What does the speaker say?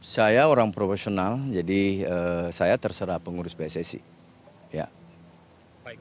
saya orang profesional jadi saya terserah pengurus pssi